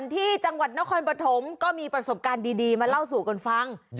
ที่จังหวัดนครปฐมก็มีประสบการณ์ดีมาเล่าสู่กันฟัง